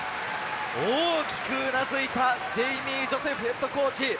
大きくうなずいたジェイミー・ジョセフＨＣ。